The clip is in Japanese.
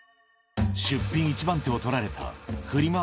出品一番手を取られた、フリマ